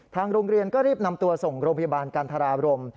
ทางโรงเรียนก็รีบนำตัวส่งโรงพยาบาลกันทราบรม